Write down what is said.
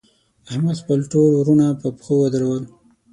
احمد؛ خپل ټول وروڼه پر پښو ودرول.